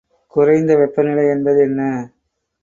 குறைந்த வெப்பநிலை என்பது என்ன?